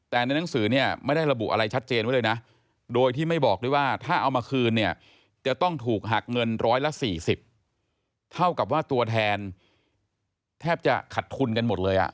แต่ในหนังสือเนี่ยไม่ได้ระบุอะไรชัดเจนไว้เลยนะโดยที่ไม่บอกด้วยว่าถ้าเอามาคืนเนี่ยจะต้องถูกหักเงินร้อยละ๔๐เท่ากับว่าตัวแทนแทบจะขัดทุนกันหมดเลย